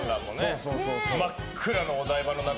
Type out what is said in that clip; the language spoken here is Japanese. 真っ暗のお台場の中。